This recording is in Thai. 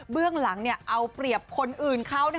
เรื่องหลังเอาเปรียบคนอื่นเขา